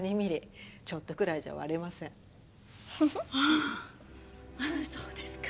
あそうですか。